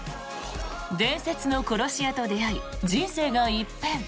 伝説の殺し屋と出会い人生が一変。